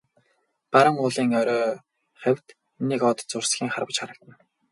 Баруун уулын орой хавьд нэг од зурсхийн харваж харагдана.